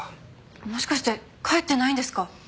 もしかして帰ってないんですか？